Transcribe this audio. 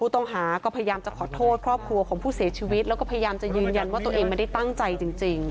ต้องหาก็พยายามจะขอโทษครอบครัวของผู้เสียชีวิตแล้วก็พยายามจะยืนยันว่าตัวเองไม่ได้ตั้งใจจริง